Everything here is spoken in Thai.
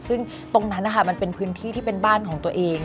ซึ่งตรงนั้นนะคะมันเป็นพื้นที่ที่เป็นบ้านของตัวเอง